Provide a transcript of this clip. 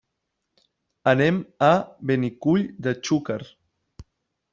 Anem a Benicull de Xúquer.